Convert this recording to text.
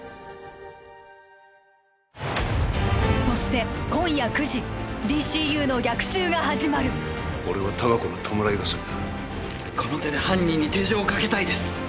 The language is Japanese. そして今夜９時ＤＣＵの逆襲が始まるこれは隆子の弔い合戦だこの手で犯人に手錠をかけたいです